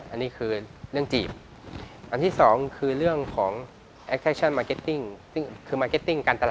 อันนี้คือเรื่องจีบ